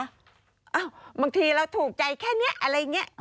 อ้าวบางทีเราถูกใจแค่เนี้ยอะไรเนี้ย